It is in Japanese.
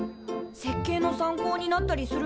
設計の参考になったりするの？